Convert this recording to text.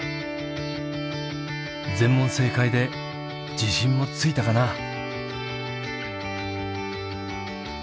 全問正解で自信もついたかな。